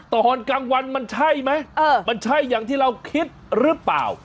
ตอนกลางวันมันใช่ไหมมันใช่อย่างที่เราคิดหรือเปล่า